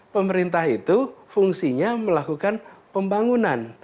pemerintah itu fungsinya melakukan pembangunan